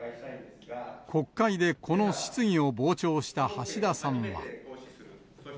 国会でこの質疑を傍聴した橋田さんは。